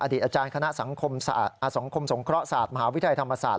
อดีตอาจารย์คณะสังคมสังคมสงเคราะห์ศาสตร์มหาวิทยาลัยธรรมศาสตร์